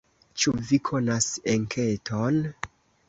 Ĉu vi konas enketon?